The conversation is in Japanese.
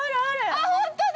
◆あ、本当だ！